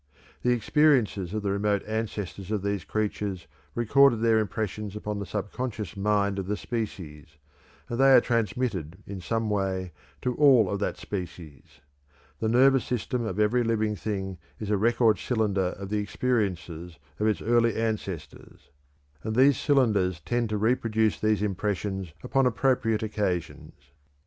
The experiences of the remote ancestors of these creatures recorded their impressions upon the subconscious mind of the species, and they are transmitted in some way to all of that species. The nervous system of every living thing is a record cylinder of the experiences of its early ancestors, and these cylinders tend to reproduce these impressions upon appropriate occasions.